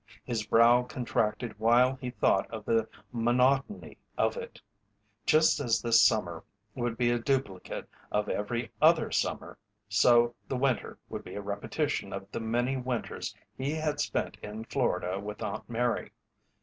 His brow contracted while he thought of the monotony of it. Just as this summer would be a duplicate of every other summer so the winter would be a repetition of the many winters he had spent in Florida with Aunt Mary.